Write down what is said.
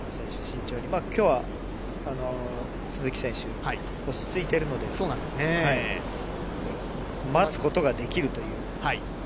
今日は都筑選手、落ち着いているので、待つことができるという。